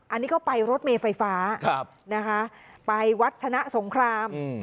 อันนี้ก็ไปรถเมย์ไฟฟ้านะคะไปวัดชนะสงคราม